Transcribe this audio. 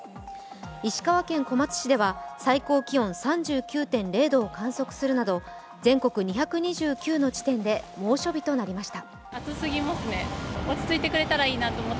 石川県小松市では最高気温３９．０度を観測するなど全国２２９の地点で猛暑日となりました。